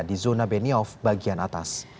di zona beniof bagian atas